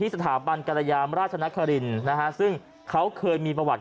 สถาบันกรยามราชนครินนะฮะซึ่งเขาเคยมีประวัติ